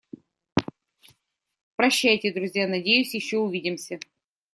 Прощайте друзья, надеюсь ещё увидимся!